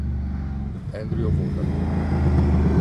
Andrew Wooten